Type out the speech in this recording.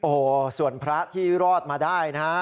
โอ้โหส่วนพระที่รอดมาได้นะฮะ